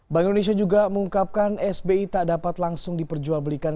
bank indonesia juga mengungkapkan sbi tak dapat langsung diperjualbelikan